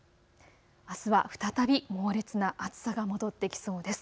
あすは再び猛烈な暑さが戻ってきそうです。